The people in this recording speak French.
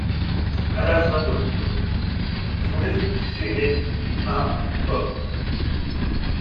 À la fin d'octobre, son effectif est réduit à hommes.